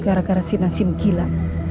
gara gara si nasim gila